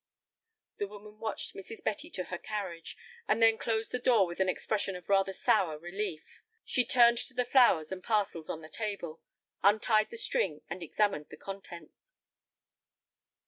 The woman watched Mrs. Betty to her carriage, and then closed the door with an expression of rather sour relief. She turned to the flowers and parcels on the table, untied the string, and examined the contents.